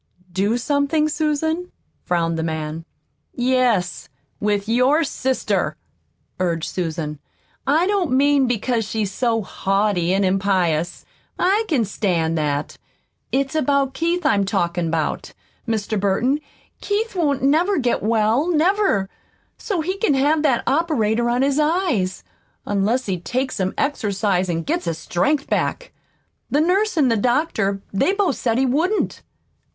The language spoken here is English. "Do something, Susan?" frowned the man. "Yes, with your sister," urged Susan. "I don't mean because she's so haughty an' impious. I can stand that. It's about Keith I'm talkin' about. Mr. Burton, Keith won't never get well, never, so's he can have that operator on his eyes, unless he takes some exercise an' gets his strength back. The nurse an' the doctor they both said he wouldn't."